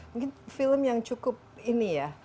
mungkin film yang cukup ini ya